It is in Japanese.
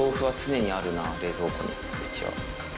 うちは。